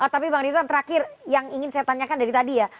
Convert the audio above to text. tapi bang riza terakhir yang ingin saya tanyakan dari tadi ya